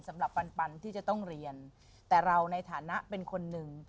ปันปันที่จะต้องเรียนแต่เราในฐานะเป็นคนหนึ่ง